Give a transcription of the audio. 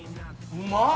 うまっ！